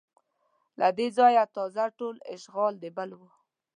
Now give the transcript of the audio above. له دې ځایه تازه ټول اشغال د بل و